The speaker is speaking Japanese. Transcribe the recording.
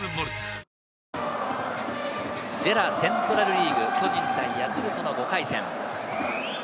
くーーーーーっＪＥＲＡセントラルリーグ巨人対ヤクルトの５回戦。